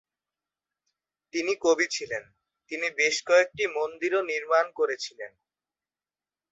তিনি কবি ছিলেন, তিনি বেশ কয়েকটি মন্দিরও নির্মাণ করেছিলেন।